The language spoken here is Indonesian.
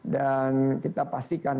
dan kita pastikan